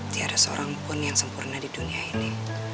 tidak ada seorang pun yang sempurna di dunia ini